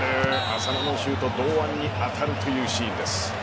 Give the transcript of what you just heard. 浅野のシュート堂安に当たるというシーンです。